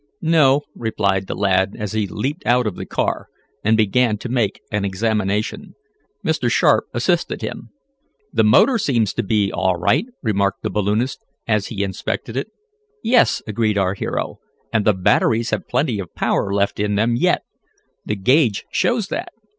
"No," replied the lad, as he leaped out of the car, and began to make an examination. Mr. Sharp assisted him. "The motor seems to be all right," remarked the balloonist, as he inspected it. "Yes," agreed our hero, "and the batteries have plenty of power left in them yet. The gauge shows that.